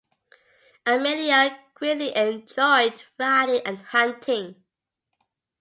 Amelia greatly enjoyed riding and hunting.